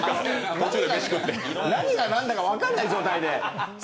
何が何だか分かんない状態で。